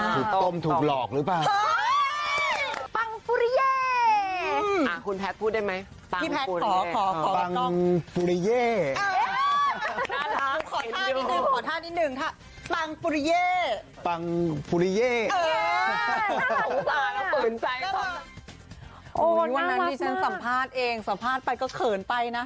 คือต้มถูกหลอกหรือเปล่า